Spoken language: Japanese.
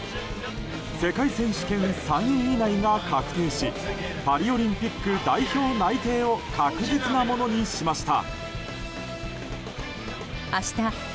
世界選手権３位以内が確定しパリオリンピック代表内定を確実なものにしました。